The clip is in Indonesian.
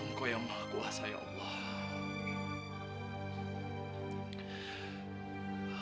engkau yang maha kuasa ya allah